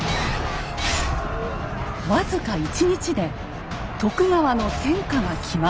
わずか１日で徳川の天下が決まった。